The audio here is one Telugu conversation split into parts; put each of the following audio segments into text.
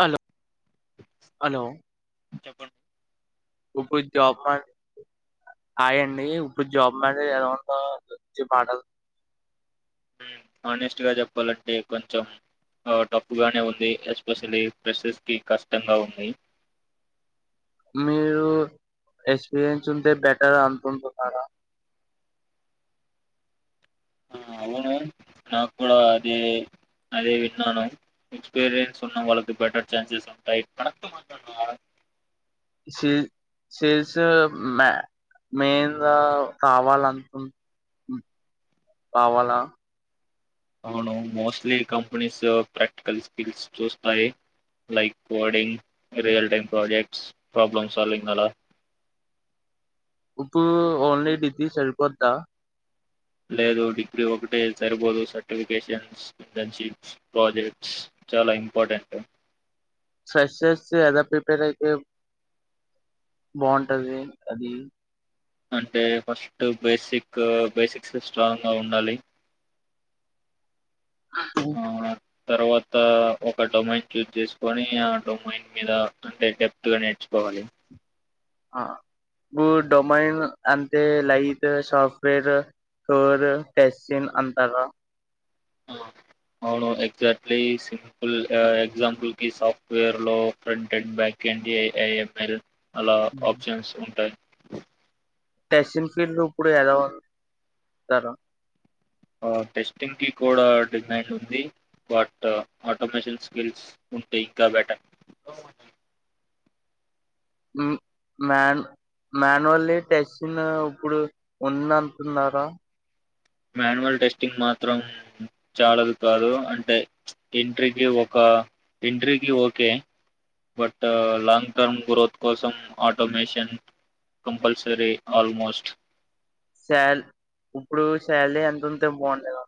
హలొ హలో చెప్పండ్ ఇప్పుడు జాబ్ మన్ హాయండి ఇప్పుడు జాబ్ మరి ఎలా ఉందో మీ మాటల్ హనెస్ట్ గా చెప్పాలంటే కొంచెం ఆ టఫ్ప్పుగానే ఉంది ఎస్పెషల్లీ ఫ్రెషెస్ కి కష్టంగా ఉంది మీరు ఎక్స్పీరియన్స్ ఉంటే బెటర్ అనుకుంటున్నారా. ఆహ్ అవును నాకు కూడా అదే. అదే విన్నాను ఎక్స్పీరియన్స్ ఉన్న వాళ్ళకి బెటర్ ఛాన్సెస్ ఉంటై చ్ చేసే మ్యా మెయిన్గా కావాలంకు కావాలా అవ్ను మోస్ట్లీ కంపెనీస్ ప్రాక్టికల్ స్కిల్స్ చూస్తాయి. Like coding real time projects problem solving అలా. ఇప్పుడూ ఓన్లీ డిగ్రీ సరిపోద్దా. లేదు డిగ్రీ ఒకటే సరిపోదు సర్టిఫికేషన్స్ ఇంటర్న్షిప్స్ ప్రాజెక్ట్స్. చాలా ఇంపార్టెంట్. ఫ్రెస్స్ అలా ప్రిపేర్ అయితే. బాగుంటది అది. అంటే ఫస్ట్ బేసికూ బేసిక్స్ స్ట్రాంగ్గా ఉండాలి. ఆహ్. ఆ తర్వాత ఒక డొమైన్ చూస్జ్చేసుకొని ఆహ్ డొమైన్ మీద అంటే డెప్త్గా నేర్చుకో. కోవాలి. ఆహ్ గు డొమైన్ అంటే లైట్ సోఫ్ట్వేర్. టూర్ టేసిన్ అంటార. ఆ, అవును ఎగ్జాక్ట్లీ సింపుల్ ఆహ్ ఎగ్జాంపుల్కి సాఫ్ట్వేర్ లో ప్రింట్అండ్ బ్యాక్. కన్డిఐఐఎంఎల్ అలా ఆప్షన్స్ ఉంటాయి. టెసేన్ సింప్లీ లుక్కుడ్ అరౌండ్ ఇస్తార. టెస్టింగ్కి కూడా డిమైండ్ ఉంది వాట్ ఆటోమేషన్ స్కిల్స్. ఉంటే ఇంకా బెటర్. ఆహ్. మాన్ మాన్యువల్లీ టెస్ట్న్ ఇప్పుడు ఉందంటున్నారా. మాన్యువల్ టెస్టింగ్ మాత్రం చానల్ కాదు అంటే ఎంట్రీకి ఒక. ఆహ్ ఎంట్రికి ఓకే. బట్ లాంగ్టర్మ్ గ్రోత్ కోసం ఆటోమేషన్. Compulsory almost. శాల్ ఇప్పుడు శాలరీ ఎంతుంటే బాగుండేద.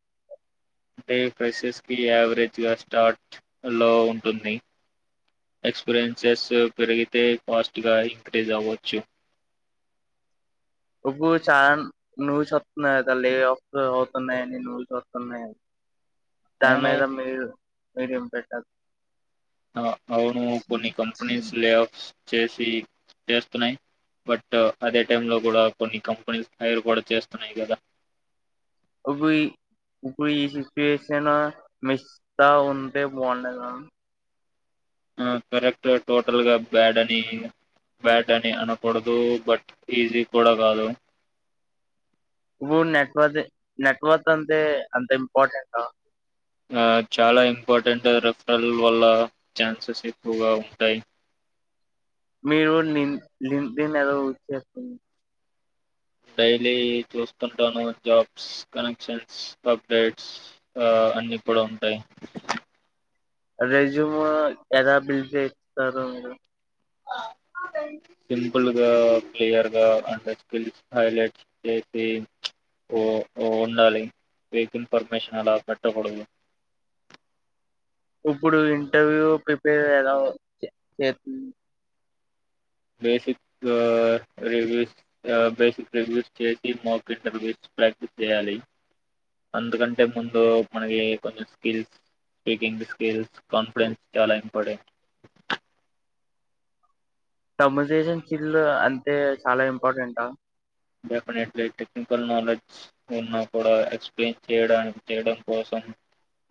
అంటే ప్రెసెస్కి యావరేజ్గా స్టార్ట్ లో ఉంటుంది. ఎక్స్పీరియన్స్ స్ పెరిగితే ఫాస్ట్ గా ఇంక్రీజవ్వచ్చు. ఉబూ చా నువ్వుచేప్తున్నాయి తల్లి అవుతున్నాయని నువ్వు [unintelligible] దాని అవును మీద మీరు మీరు ఇంప్రెషన్. అవ్ను కొన్ని కంపెనీస్ లే అఫ్స్ చేసి చేస్తున్నాయి. బట్ అదే టైం లో కూడా కొన్ని కంపెనీస్ హైర్ కూడా చేస్తున్నాయి కదా. హూ హీ. ఇప్పుడీ సిచ్యుయేషన్ మిస్కాఉంటే బాగుండేదా. ఆహ్ కరెక్ట్ గా టోటల్గా బ్యాడని. బ్యాడ్ అని అనకూడదు బట్ ఈజీ కూడా కాదు. ఇప్పుడు నెట్వర్క్ నెట్వర్క్ అంటే అంత ఇంపార్టెంటా. ఆహ్ చాలా ఇంపార్టెంట్ రిఫరల్ వల్ల ఛాన్సెస్ ఎక్కువగా ఉంటాయి. మీరుని [unintelligible] డైలీ చూస్తుంటాను జాబ్స్ కనెక్షన్స్ అప్డేట్స్ ఆహ్. అ అన్ని కూడా ఉంటాయి. రెజ్యూమ్ ఎలా బిల్డ్ చేస్తారు మీరు. ఉహ్ ఫుల్గా క్లియర్గా అండర్ స్కిల్స్ హైలైట్ చేసి ఓ ఓ ఉండాలి వీక్ ఇన్ఫర్మేషన్ అలా పెట్టకూడదు ఇప్పుడు ఇంటర్వ్యూ ప్రిపేర్ ఎలా వచేసింది. బేసిక్ రివ్యూస్ ఆహ్ బేసిక్ రివ్యూస్ చేసి మోక్ ఇంటర్వ్యూ. ప్రాక్టీస్ చేయాలి అంతకంటే ముందు మనకి కొంచెం స్కిల్స్ స్పీకింగ్ స్కిల్స్ కాన్ఫిడెన్స్ చాలా ఇంపార్టెంట్ తీర్మాసిషన్ స్కిల్ అంటే చాలా ఇంపార్టెంటా డెఫినెట్లీ టెక్నికల్ నాలెడ్జ్ ఉన్నా కూడా ఎక్సప్లయిన్ చేయడానికి చేయడం కోసం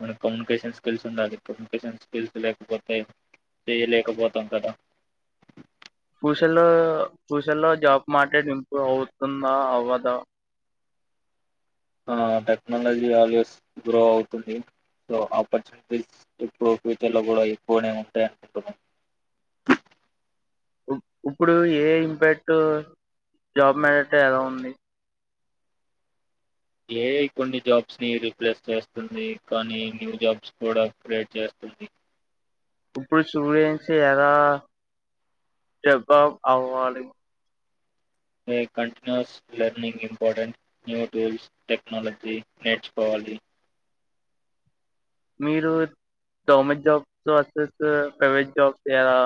మనకి కమ్యూనికేషన్ స్కిల్స్ ఉండాలి ఇప్పుడు కమ్యూనికేషన్ స్కిల్స్ లేకపోతే చేయలేకపోతాం కదా ఫ్యూచర్ ఫ్యూచర్ లో జాబ్ మార్కెట్ ఇంప్రూవ్ అవుతుందా అవ్వదా ఆ టెక్నాలజీ ఆల్వేస్ గ్రో అవుతుంది సో ఆపర్చునిటీస్ ఇప్పుడు ఫ్యూచర్ లో కూడా ఎక్కువనే ఉంటాయంటాకద ఇప్పుడు ఏఐ ఇంపాక్ట్ జాబ్ మీదట ఎలా ఉంది ఏఐ కొన్ని జాబ్స్ ని రీప్లేస్ చేస్తుంది కానీ న్యూ జాబ్స్ కూడా క్రియేట్ చేస్తు తుంది ఇప్పుడు స్టూడెంట్స్ ఎలా స్టేపౌట్ అవ్వాలి AI continuous learning important new tools technology నేర్చుకోవాలి మీరు government jobs versus private jobs లా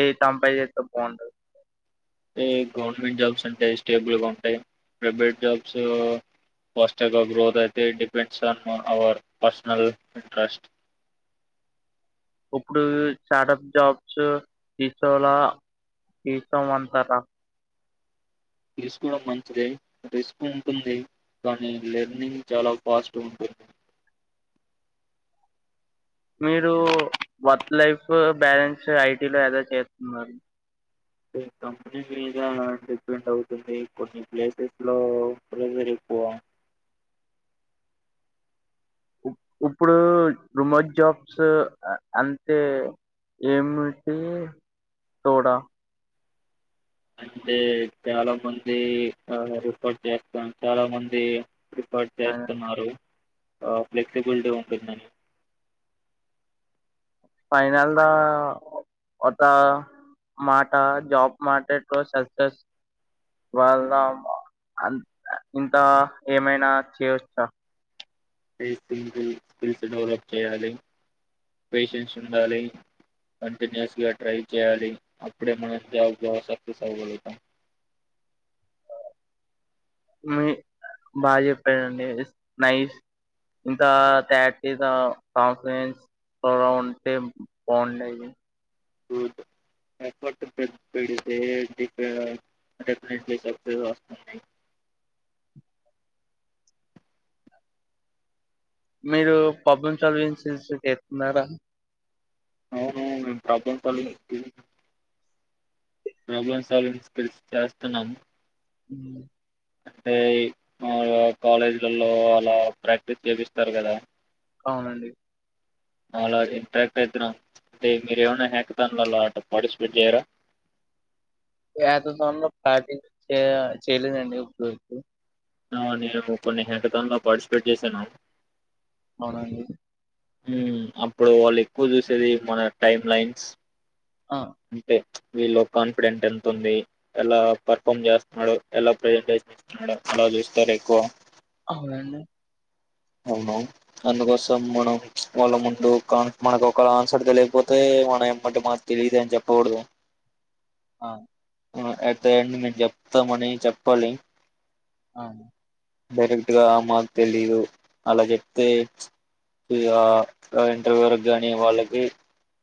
ఏవి కంపేర్ చేస్త బాగుంటది టె గవర్నమెంట్ జాబ్స్ అంటే స్టేబుల్ గా ఉంటాయి ప్రైవేట్ జాబ్స్ ఫాస్ట్ గా గ్రోత్ అయితే it depends on our personal interest ఇప్పుడు స్టార్టప్ జాబ్స్ తీసుకోలా తీస్తోకోమంటారా తీసుకోవడం మంచిదె రిస్క్ ఉంటుంది కానీ లెర్నింగ్ చాలా ఫాస్ట్ ఉంటుంది మీరు వర్క్ లైఫ్ బ్యాలెన్స్ ఐటీ లో ఎదో చేస్తున్నారు కంపెనీ మీద డిపెండ్ అవుతుంది కొన్ని ప్లేసెస్ లో ప్రెషర్ పోవ ఉప్పుడు రిమోట్ జాబ్స్ అంటే ఏమిటి తోడా అంటే చాలా మంది ఆ రిపోర్ట్ చేస్తాం చాలా మంది రిపోర్ట్ చేస్తున్నారు ఆ ఫ్లెక్సిబిలిటీ ఉంటుందని ఫైనల్ గా ఒక మాట జాబ్ మాటే తొ సక్సస్ వాళ్ళమ్ అంత ఇంత ఏమైనా చేయవచ్చా స్ స్కిల్స్ డెవలప్ చేయాలి పేషన్స్ ఉండాలి కంటిన్యూస్ గా ట్రై చేయాలి అప్పుడే మనం చాలా బాగా సక్సెస్ అవ్వగలుగుతాం హ్మ్మ్ బాగా చెప్పారండి నైస్ ఇంకా తాచిగా ఓఫ్ఫ్లిన్స్ ఎక్కువగా ఉంటే బాగుండేది యూత్ ఎఫర్ట్ పె పెడితే డెఫినేట్లీ సక్సస్ వస్తుంది మీరు పబ్ ఇన్సలీవెన్స్స్ చేత్తున్నారా అవును problem solving skills problem solving skills చేస్తున్నాము ఉమ్ అంటే ఈ మాములుగా కాలేజీల్లలో అలా ప్రాక్టీస్ చేపిస్తారు కదా అవునండి అలా ఇంట్రాక్ట్ అయితున్నాం అంటే మీరేమైన్నా హ్యాకతన్లో అట పార్టిసిపేట్ చేయరా హ్యాకతన్లో పాటి చెయ్ చేయలేదండి ఇప్పుడి వరకు అహ్ నేను కొన్ని హ్యకతన్లో పార్టిసిపేట్ చేసాను అని ఉమ్ అప్పుడు వాళ్ళు ఎక్కువ చూసేది మన టైమ్ లైన్స్ ఆ అంటె వీళ్ళో కాన్ఫిడెంట్ ఎంతుంది ఎలా పర్ఫార్మ్ చేస్తున్నడు ఎలా ప్రజెంటేషన్ ఇస్తున్నడు అలా కలిస్తారు ఎక్కువ అవునండి అవును అందుకోసం మనం వాళ్ళ ముందు కాన్ మనకు ఒకవెల ఆన్సర్ తెలికపోతే మన ఎమ్మటే మాక్ తెలిద్ అని చెప్పకొడదు ఆ ఎట్ ద ఎండ్ మేము చెప్తమని చెప్పాలి అవును డైరెక్ట్ గా మాకు తెలీదు అలా చెప్తే ఇగా అహ్ ఇంటర్వ్యూ వరకు గానీ వాళ్ళకి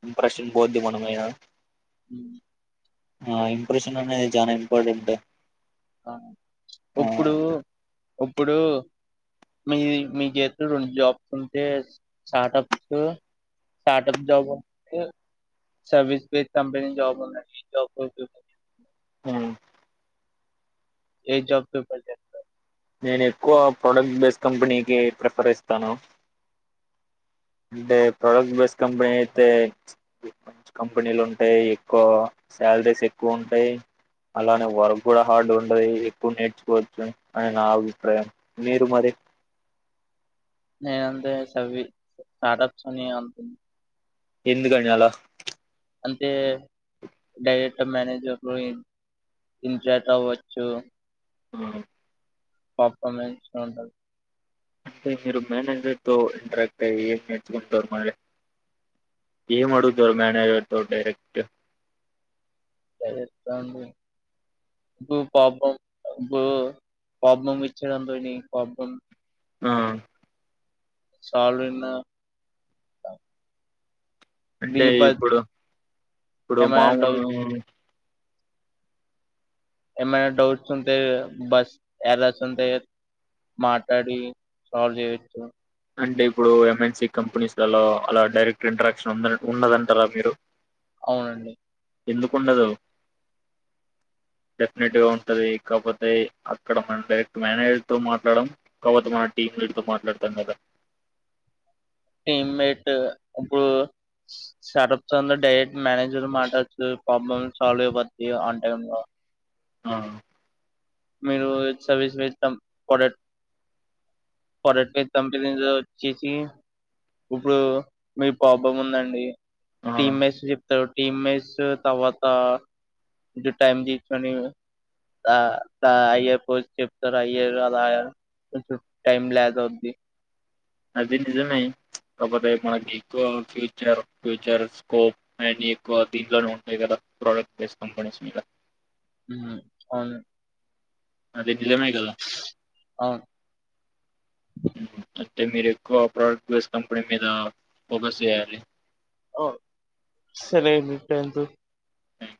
ఇంప్రెషన్ పోద్ది మనమిద ఉమ్ ఆహ్ ఇంప్రెషన్ అనేది చనా ఇంపార్టెంట్ అహ్ ఆ ఉప్పుడు ఉప్పుడు మీ మీ చేతిలో రెండు జాబ్స్ ఉంటే startups startup jobs service based company job ఉందండి ఎ జాబ్ కి పోతారు ఉమ్ ఏ జాబ్ ప్రిఫర్ చేస్తారు నేనుక్కువ ప్రొడక్ట్ బేస్ కంపెనీకి ప్రిఫర్ ఇస్తాను అంటే ప్రొడక్ట్ బేస్ కంపెనీ అయితే మంచి కంపెనీలు ఉంటయ్ ఎక్కువ సాలరీస్ ఎక్కువ ఉంటయి అలానే వర్క్ గూడా హార్డ్ ఉండది ఎక్కువ నేర్చుకోవచ్చు అని నా అభిప్రాయం మీరు మరి నేను అంతే సవ్వి స్టార్టప్స్ నే అంత్ ఎందుకండి అలా అంటే డైరెక్ట్ మేనేజర్ లొ ఇ ఇంచార్జ్ అవ్వచ్చు హ్మ్. పెర్ఫామెన్స్ ఉంటది అంటే మీరు మేనేజర్ తో ఇంటరాక్ట్ అయి ఏం నేర్చుకుంటారు మరి ఏమడుగుతారు మెనేజర్ తొ డైరక్ట్ డైరెక్టా అండి ఇపుడు ప్రాబ్లం పబు ప్రాబ్లం ఇచ్చిదం తోని ప్రాబ్లం ఆహ్ సాల్వైనా అంటే ఇప్పుడు ఇప్పుడు ఏమైనా మామూలు డౌట్ ఎమైన డౌట్స్ ఉంటే బస్ ఎర్రర్స్ ఉంటే మాట్టాడి సాల్వ్ చేయొచ్చు అంటే ఇప్పుడు ఎంఎన్ సి కంపెనీస్ ల్లలో అలా డైరెక్ట్ ఇంటరాక్షన్ ఉండద ఉన్నదంటారా మీరు అవునండి ఎందుకుండదు డెఫినెట్గా ఉంటది కాకపోతే అక్కడ మన డైరెక్ట్ మేనేజర్ తో మాట్లాడడం కాకపోతే మన టీం లీడ్తో మాట్లాడుతం కదా టీమ్మేట్ ఇప్పుడు స్టార్టప్స్ంద డైరెక్ట్ మేనేజర్ మాట్లాడోచ్చు ప్రాబ్లమ్ సాల్వ్ అయిపోద్ది ఆన్ టైం లో ఆ మీరు సర్వీస్ వస్తాం పడట్ ఫరట్ పి కంపెనీలో వచ్చేసి ఇప్పుడు మీకు పాబమ్ ఉందండి ఆ టీమ్ మేట్స్ చెప్తారు టీమ్ మేట్స్ తర్వాత కొంచెం టైమ్ తీసుకుని ఆ త అయ్యర్ పోజ్ చెప్తారు అయ్యారు అలా కొంచం టైం ల్యాగైద్ది అది నిజమే కాకపోతే మనకి ఎక్కువ ఫ్యూచర్ ఫ్యూచర్ స్కోప్ అీయాన్ని ఎక్కువ దీంట్లోనే ఉంటాయి కదా ప్రోడక్ట్ బెస్ట్ కంపెనీస్ మీద మ్ అవును అది నిజమే కదా అవును అంటే మీరు ఎక్కువ ప్రోడక్ట్ బెస్డ్ కంపెనీస్ మీద ఫోకస్ చేయాలే ఓ సరే అండి ట్యాంక్యు థ్యాంక్ యూ